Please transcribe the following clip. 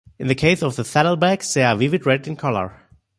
In the case of the saddlebacks, they are a vivid red in colour.